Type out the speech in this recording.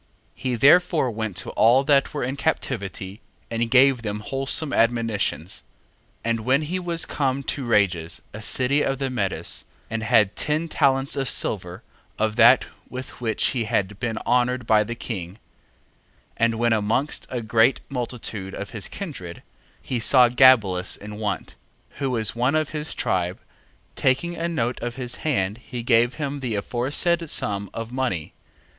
1:15. He therefore went to all that were in captivity, and gave them wholesome admonitions. 1:16. And when he was come to Rages a city of the Medes, and had ten talents of silver of that with which he had been honoured by the king: 1:17. And when amongst a great multitude of his kindred, he saw Gabelus in want, who was one of his tribe, taking a note of his hand he gave him the aforesaid sum of money.